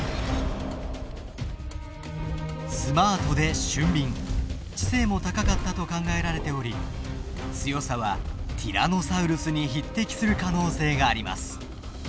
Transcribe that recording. スマートで俊敏知性も高かったと考えられており強さはティラノサウルスに匹敵する可能性があります。